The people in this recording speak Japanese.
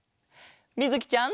みずきちゃん。